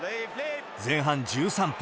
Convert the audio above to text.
前半１３分。